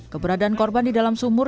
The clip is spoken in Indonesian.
keberadaan korban di dalam sumur